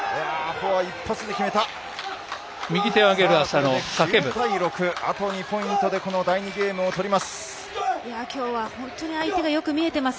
これで９対６あと２ポイントでこの第２ゲームも取ります。